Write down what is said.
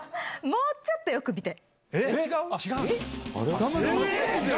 もうちょっとよく見て？